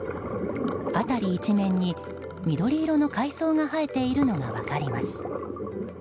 辺り一面に、緑色の海藻が生えているのが分かります。